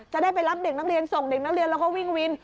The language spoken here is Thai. จะได้ไปรับเด็กนักเรียนส่งเด็กนักเรียนแล้วก็วิ่งวิน